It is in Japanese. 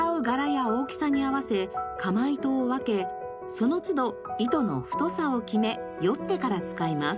その都度糸の太さを決めよってから使います。